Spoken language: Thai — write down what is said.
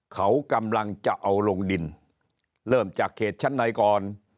เขากำลังจะเอาลงดินเริ่มจากเขตชั้นในก่อน